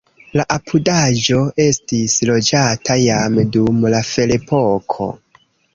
La apudaĵo estis loĝata jam dum la ferepoko.